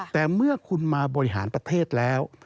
แต่เมื่อคุณมาบริหารประเทศแล้ว